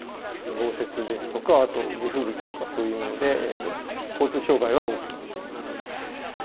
豪雪ですとか、あと地吹雪とか、そういうので、交通障害は多くなると思います。